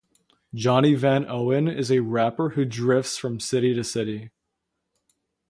Johnny Van Owen is a rapper who drifts from city to city.